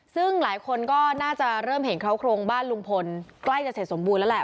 ซึ่งหลายคนก็น่าจะเริ่มเห็นเขาโครงบ้านลุงพลใกล้จะเสร็จสมบูรณแล้วแหละ